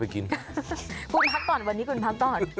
คุณพักก่อนวันนี้คุณพักก่อน